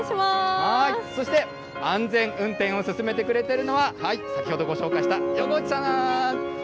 そして、安全運転を進めてくれているのは、先ほどご紹介した横内さん。